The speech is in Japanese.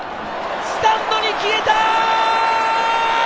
スタンドに消えた！